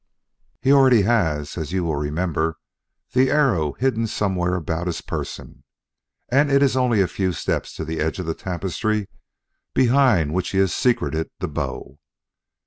"He already has, as you will remember, the arrow hidden somewhere about his person, and it is only a few steps to the edge of the tapestry behind which he has secreted the bow.